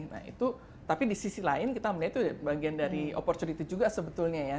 nah itu tapi di sisi lain kita melihat itu bagian dari opportunity juga sebetulnya ya